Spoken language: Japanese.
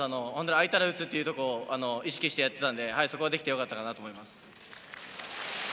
空いたら打つというところを意識してやっていたので、そこができてよかったかなと思います。